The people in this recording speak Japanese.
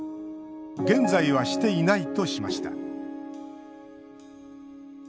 現在はしていないとしました。